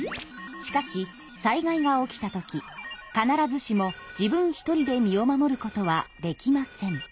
しかし災害が起きた時必ずしも自分１人で身を守ることはできません。